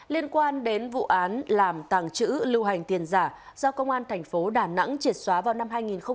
liên quan đến vụ án làm tàng trữ lưu hành tiền giả do công an tp đà nẵng triệt xóa vào năm hai nghìn hai mươi ba